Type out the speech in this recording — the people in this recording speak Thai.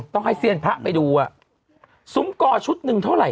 ต้องให้เซียนพระไปดูอ่ะซุ้มกอชุดหนึ่งเท่าไห